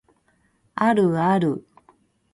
あるある